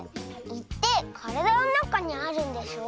「い」ってからだのなかにあるんでしょ。